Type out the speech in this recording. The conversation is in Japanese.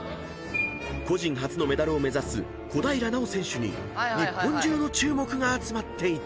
［個人初のメダルを目指す小平奈緒選手に日本中の注目が集まっていた］